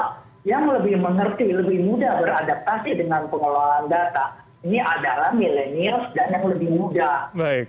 karena yang lebih mengerti lebih mudah beradaptasi dengan pengelolaan data ini adalah milenials dan yang lebih muda